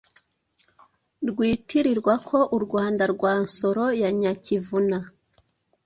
Rwitirwa ko u Rwanda rwa Nsoro ya Nyakivuna,